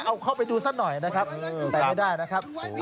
เอาเข้าไปดูซะหน่อยนะครับแต่ไม่ได้นะครับ